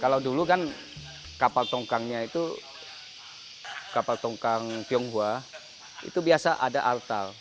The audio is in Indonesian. kalau dulu kan kapal tongkangnya itu kapal tongkang tionghoa itu biasa ada altal